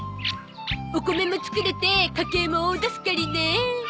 お米も作れて家計も大助かりね。